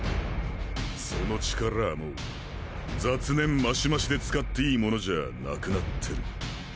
その力はもう雑念マシマシで使っていいモノじゃアなくなってる。